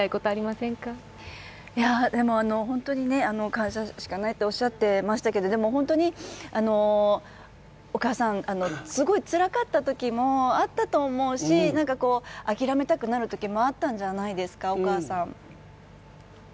感謝しかないっておっしゃってましたけどでも、お母さん、すごいつらかったときもあったと思うし、諦めたくなるときもあったんじゃないですか、お母さん。